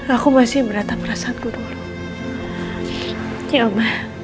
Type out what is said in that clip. aku masih merata perasaanku dulu ya om